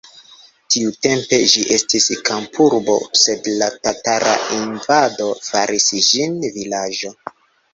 Tiutempe ĝi estis kampurbo, sed la tatara invado faris ĝin vilaĝo.